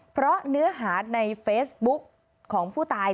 เพราะเนื้อหาในเฟซบุ๊กของผู้ตาย